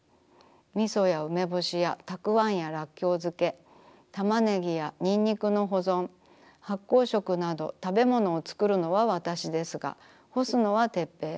みそや梅干しやたくあんやラッキョウ漬け玉ねぎやにんにくの保存発酵食などたべものをつくるのはわたしですが干すのはテッペイ。